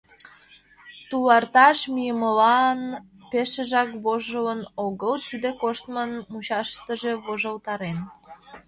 Туларташ мийымылан пешыжак вожылын огыл, тиде коштмын мучашыже вожылтарен.